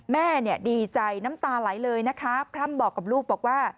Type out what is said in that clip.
แม่ดี่ใจน้ำตาหลายเลยพร่ำบอกกับลูก